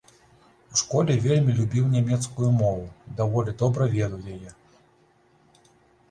У школе вельмі любіў нямецкую мову і даволі добра ведаў яе.